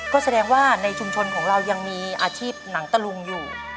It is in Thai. ก็แสดงว่าในชุมชนของเรายังมีอาชีพหนังตะลุงอยู่